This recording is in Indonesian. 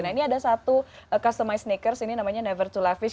nah ini ada satu customize sneakers ini namanya never to lafish